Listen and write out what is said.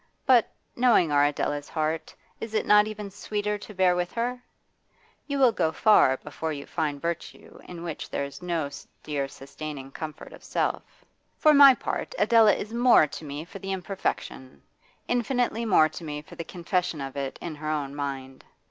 But, knowing our Adela's heart, is it not even sweeter to bear with her? You will go far before you find virtue in which there is no dear sustaining comfort of self. For my part, Adela is more to me for the imperfection, infinitely more to me for the confession of it in her own mind.